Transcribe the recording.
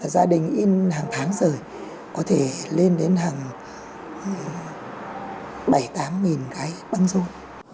gia đình in hàng tháng rồi có thể lên đến hàng bảy mươi tám cái băng rôn